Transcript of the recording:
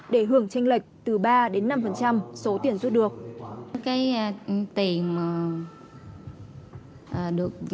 để hưởng tranh lệch từ ba đến năm số tiền rút được